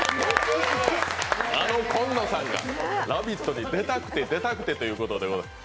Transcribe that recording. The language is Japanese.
あの紺野さんが「ラヴィット！」に出たくて出たくてでございます。